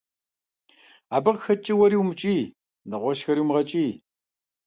Абы къэхэкӀкӀэ уэри умыкӀий, нэгъуэщӀхэри умыгъэкӀий.